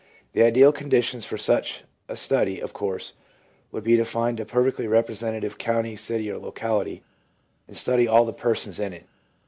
The ideal conditions for such a study, of course, would be to find a perfectly representative county, city or locality, and study all the persons in it.